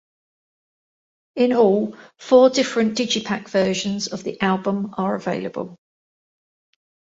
In all, four different digipak versions of the album are available.